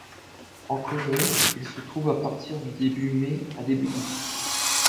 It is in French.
En Corée, ils se trouvent à partir de début mai à début août.